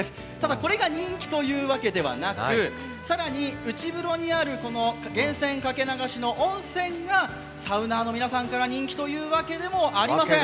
これが人気というわけではなく、更に、内風呂にある源泉掛け流しの温泉がサウナ−の皆さんから人気というわけでもありません。